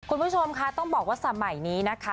คุณผู้ชมค่ะต้องบอกว่าสมัยนี้นะคะ